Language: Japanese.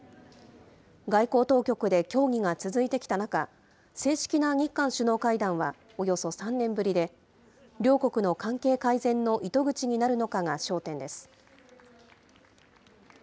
外交当局で協議が続いてきた中、正式な日韓首脳会談はおよそ３年ぶりで、両国の関係改善の糸口になるのかが焦点です。